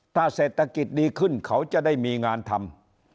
ถ้าเศรษฐกิจดีขึ้นเขาจะได้มีงานทำ